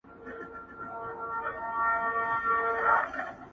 له حیا نه چي سر کښته وړې خجل سوې،